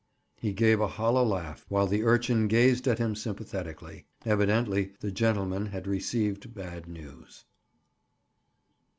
He gave a hollow laugh, while the urchin gazed at him sympathetically. Evidently the gentleman had received bad news.